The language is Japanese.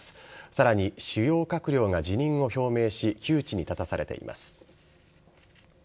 さらに主要閣僚が辞任を表明し窮地に立たされています。